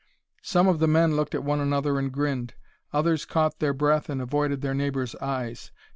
Some of the men looked at one another and grinned; others caught their breath and avoided their neighbors' eyes.